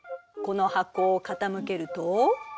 この箱を傾けると。